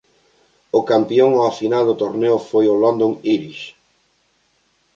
O campión ao final do torneo foi o London Irish.